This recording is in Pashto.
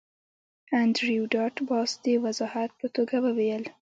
انډریو ډاټ باس د وضاحت په توګه وویل